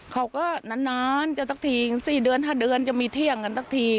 เขาก็นานจะสักที๔เดือน๕เดือนจะมีเที่ยงกันสักที